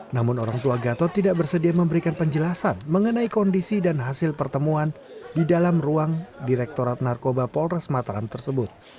namun orang tua gatot tidak bersedia memberikan penjelasan mengenai kondisi dan hasil pertemuan di dalam ruang direktorat narkoba polres mataram tersebut